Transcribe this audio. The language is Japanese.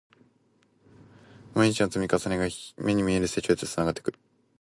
毎日の積み重ねが、目に見える成長へとつながっていく